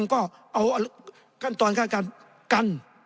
ก็เอาต้นเขา